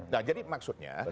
nah jadi maksudnya